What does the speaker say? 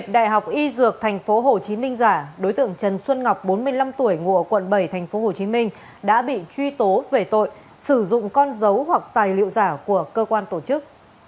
đại học y dược tp hcm giả đối tượng trần xuân ngọc bốn mươi năm tuổi ngụ quận bảy tp hcm đã bị truy tố về tội sử dụng con dấu hoặc tài liệu giả của cơ quan tổ chức